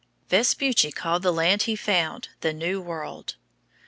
Vespucci called the land he found the New World.